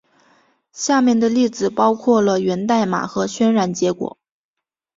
下面的例子包括了源代码和渲染结果。